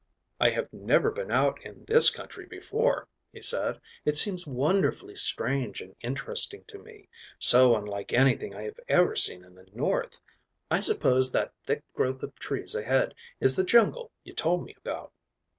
"I have never been out in this country before," he said. "It seems wonderfully strange and interesting to me. So unlike anything I have ever seen in the North. I suppose that thick growth of trees ahead is the jungle you told me about."